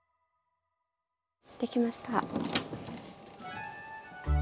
できました。